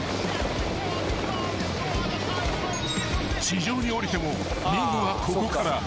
［地上に降りても任務はここから］